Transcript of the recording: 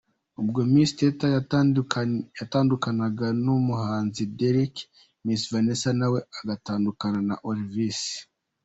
Ubwo Miss Teta yatandukanaga n’umuhanzi Derek, Miss Vanessa nawe agatandukana na Olivis.